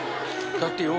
だってよ。